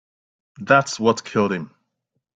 That's what killed him.